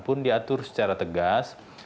pun diatur secara tegas